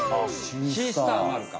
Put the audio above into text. シースターまるか。